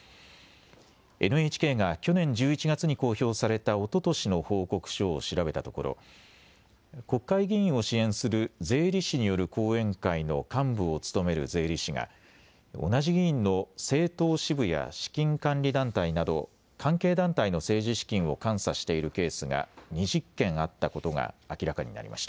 ＮＨＫが去年１１月に公表されたおととしの報告書を調べたところ国会議員を支援する税理士による後援会の幹部を務める税理士が同じ議員の政党支部や資金管理団体など関係団体の政治資金を監査しているケースが２０件あったことが明らかになりました。